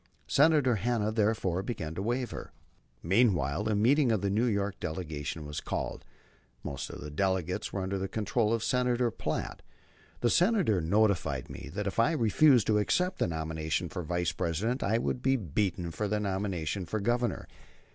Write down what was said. Senator Hanna, therefore, began to waver. Meanwhile a meeting of the New York delegation was called. Most of the delegates were under the control of Senator Platt. The Senator notified me that if I refused to accept the nomination for Vice President I would be beaten for the nomination for Governor.